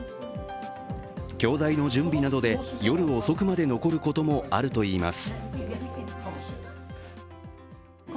教材の準備などで夜遅くまで残ることもあるといいます。